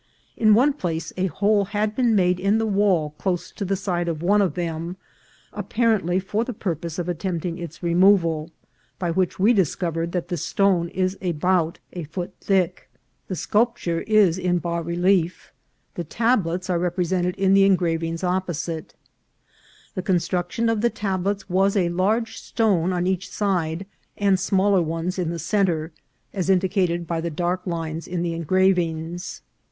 In one place a hole had been made in the wall close to the side of one of them, apparently for the purpose of attempting its removal, by which we discovered that the stone is about a foot thick. The i>nd jj.out ;bio yen Lovododb him , ij "io i *;b fei 342 INCIDENTS OF TRAVEL. sculpture is in bas relief. The tablets are represented in the engravings opposite. The construction of the tablets was a large stone on each side, and smaller ones in the centre, as indicated by the dark lines in the engravings.